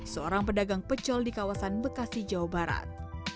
seorang pedagang pecel di kawasan bekasi jawa barat